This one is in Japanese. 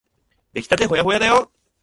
できたてほやほやだよ。